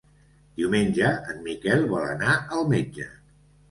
Diumenge en Miquel vol anar al metge.